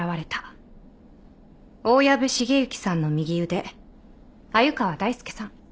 大藪重之さんの右腕鮎川大介さん。